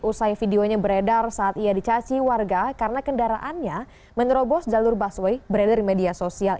usai videonya beredar saat ia dicaci warga karena kendaraannya menerobos jalur busway beredar di media sosial